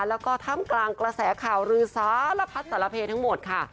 แล้วก็ท่ามกลางกระแสข่าวลือสารพัดสารเพทั้งหมดค่ะ